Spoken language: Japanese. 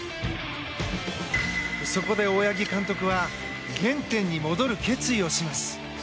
そこで大八木監督は原点に戻る決意をします。